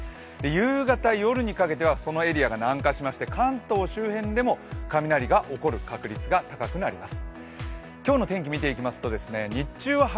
夕方、夜にかけてはそのエリアが南下しまして関東周辺でも雷が起こる確率が高くなります。